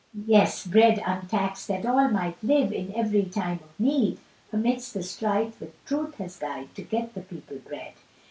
Yes, bread untax'd that all might live, In every time of need; Amidst the strife with truth as guide, "To get the people bread."